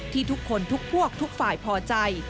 ที่ทุกคนทุกพวกทุกฝ่ายพอใจ